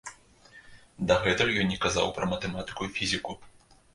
Дагэтуль ён не казаў пра матэматыку і фізіку.